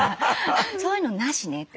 「そういうのなしね」って。